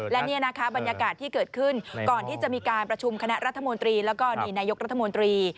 และนี่นะคะบรรยากาศที่เกิดขึ้นก่อนที่จะมีการประชุมคณะรัฐมนตรีแล้วก็นี่นายกรัฐมนตรี